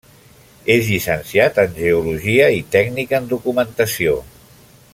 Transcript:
És Llicenciat en Geologia i Tècnic en Documentació.